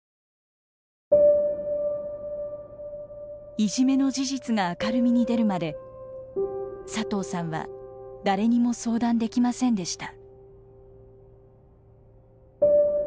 いじめの事実が明るみに出るまで佐藤さんは誰にも相談できませんでした。